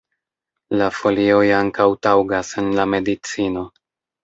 La folioj ankaŭ taŭgas en la medicino.